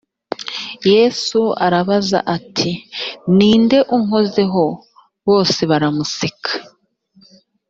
yesu arabaza ati ni nde unkozeho bose baramuseka